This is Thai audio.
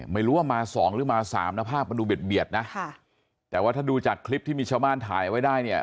ไม่รู้ว่ามาสองหรือมาสามนะภาพมันดูเบียดนะค่ะแต่ว่าถ้าดูจากคลิปที่มีชาวบ้านถ่ายไว้ได้เนี่ย